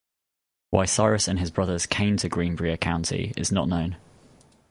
Why Cyrus and his brothers came to Greenbrier County is not known.